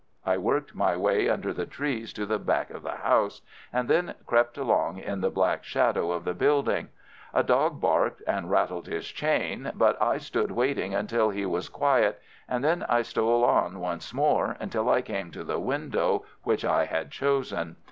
I worked my way under the trees to the back of the house, and then crept along in the black shadow of the building. A dog barked and rattled his chain, but I stood waiting until he was quiet, and then I stole on once more until I came to the window which I had chosen.